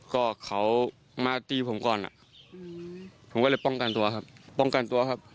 ก็เขามาตีผมก่อนผมก็เลยป้องกันตัวครับ